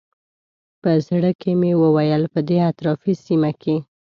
په زړه کې مې وویل په دې اطرافي سیمه کې.